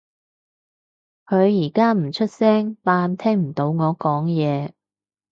佢而家唔出聲扮聽唔到我講嘢